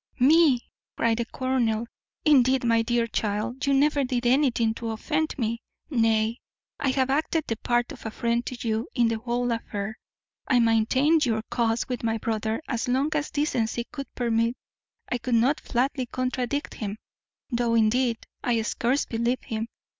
"Me!" cried the colonel. "Indeed, my dear child, you never did anything to offend me. Nay, I have acted the part of a friend to you in the whole affair. I maintained your cause with my brother as long as decency would permit; I could not flatly contradict him, though, indeed, I scarce believed him.